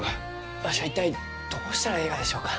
わしは一体どうしたらえいがでしょうか？